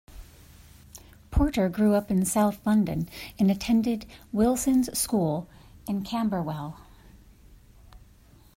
Porter grew up in South London and attended Wilson's School in Camberwell.